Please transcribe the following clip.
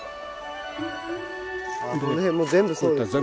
あこの辺も全部そうですね。